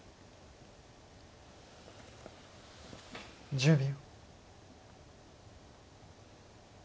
１０秒。